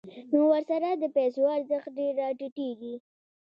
نو ورسره د پیسو ارزښت ډېر راټیټېږي